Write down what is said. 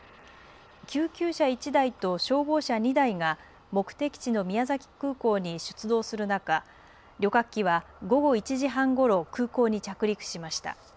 救急車１台と消防車２台が目的地の宮崎空港に出動する中、旅客機は午後１時半ごろ、空港に着陸しました。